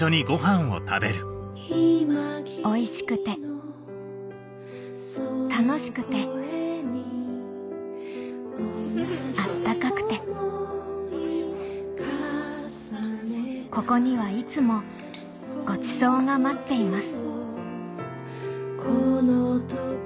おいしくて楽しくて温かくてここにはいつもごちそうが待っています